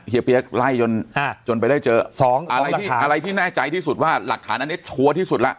เอาเปรียบไล่จนไปได้เจออะไรที่แน่ใจที่สุดว่าหลักฐานอันนี้ชัวร์ที่สุดล่ะ